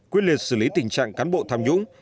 quyết liệt xử lý tình trạng cán bộ tham nhũng